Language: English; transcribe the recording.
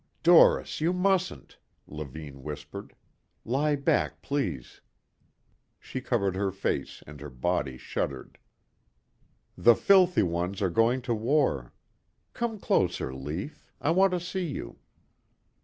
"Doris, you mustn't," Levine whispered. "Lie back, please." She covered her face and her body shuddered. "The filthy ones are going to war. Come closer, Lief. I want to see you."